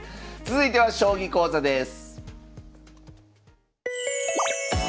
続いては将棋講座です。